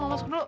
mau masuk dulu